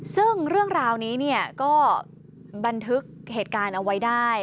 ซึ่งเรื่องราวนี้เนี่ยก็บันทึกเหตุการณ์เอาไว้ได้